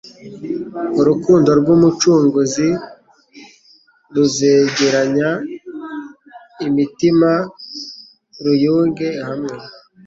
Urukundo rw'Umucunguzi ruzegeranya ilnitima ruyunge hamwe.